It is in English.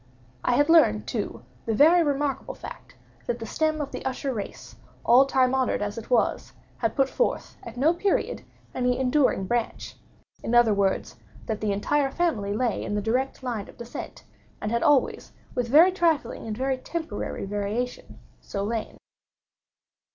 I had learned, too, the very remarkable fact, that the stem of the Usher race, all time honored as it was, had put forth, at no period, any enduring branch; in other words, that the entire family lay in the direct line of descent, and had always, with very trifling and very temporary variation, so lain.